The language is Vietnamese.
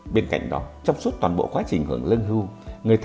bên cạnh đó trong suốt toàn bộ quá trình hưởng lương hưu